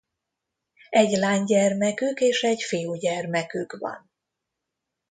Egy lánygyermekük és egy fiúgyermekük van.